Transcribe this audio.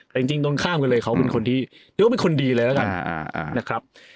แต่จริงต้นข้ามกันเลยเขาเป็นคนดีเลยนะครับ